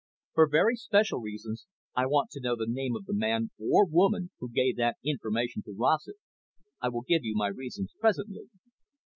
For very special reasons I want to know the name of the man or woman who gave that information to Rossett. I will give you my reasons presently."